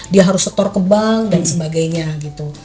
dia harus setor ke bank dan sebagainya gitu